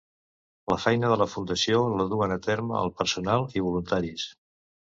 La feina de la fundació la duen a terme el personal i voluntaris.